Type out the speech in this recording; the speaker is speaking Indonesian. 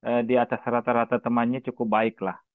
karena memang bahasa inggris di tempat temannya itu cukup baik